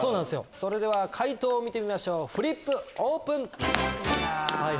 それでは解答を見てみましょうフリップオープン！